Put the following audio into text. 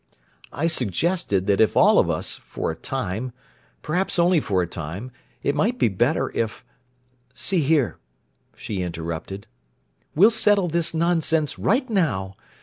"I suggested that if all of us—for a time—perhaps only for a time—it might be better if—" "See here," she interrupted. "We'll settle this nonsense right now.